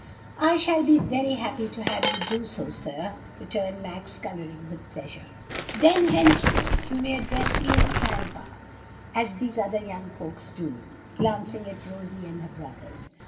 "I shall be very happy to have you do so, sir," returned Max, coloring with pleasure. "Then henceforth you may address me as grandpa, as these other young folks do," glancing at Rosie and her brothers.